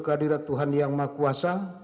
kehadirat tuhan yang maha kuasa